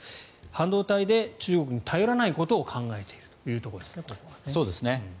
半導体で中国に頼らないことを考えているということですね。